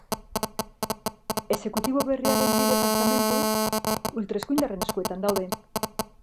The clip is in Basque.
Exekutibo berriaren bi departamentu ultraeskuindarren eskuetan daude.